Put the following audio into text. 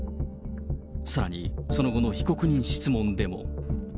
さらに、その後の被告人質問でも。